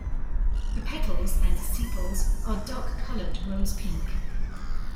The petals and sepals are dark-colored, rose pink.